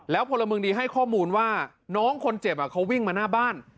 พลเมืองดีให้ข้อมูลว่าน้องคนเจ็บเขาวิ่งมาหน้าบ้าน